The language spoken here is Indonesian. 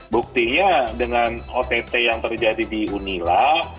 buktinya dengan ott yang terjadi di unila